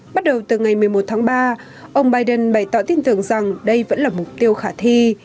bắt đầu từ ngày một mươi một tháng ba ông biden bày tỏ tin tưởng rằng đây vẫn là mục tiêu khả thi